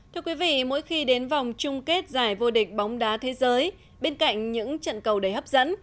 thưa quý vị mỗi khi đến vòng chung kết giải vô địch bóng đá thế giới bên cạnh những trận cầu đầy hấp dẫn